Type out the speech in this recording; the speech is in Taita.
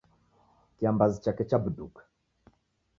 Kiambazi chake chabuduka.